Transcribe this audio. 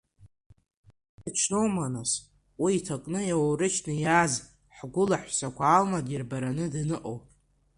Уи аҽноума, нас, уи иҭакны иоурышьҭны иааз ҳгәылаҳәсақәа аума дирбараны даныҟоу?